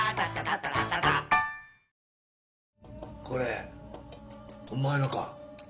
これお前のか？